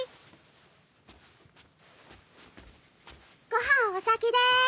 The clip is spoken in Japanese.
ご飯お先です。